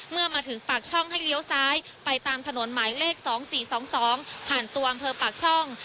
เมื่อมาถึงปากช่องให้เลี้ยวซ้ายไปตามถนนหมายเลข๒๔๒๒ผ่านตัวอำเภอปากช่อง